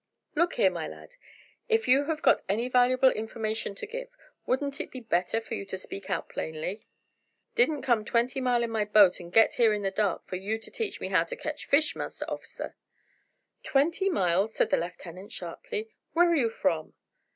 "Look here, my lad, if you have got any valuable information to give, wouldn't it be better for you to speak out plainly?" "Didn't come twenty mile in my boat and get here in the dark, for you to teach me how to ketch fish, Master Orficer." "Twenty miles!" said the lieutenant sharply; "where are you from?"